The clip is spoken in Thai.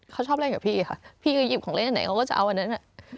เขาชอบเล่นกับพี่ค่ะพี่คือหยิบของเล่นอันไหนเขาก็จะเอาอันนั้น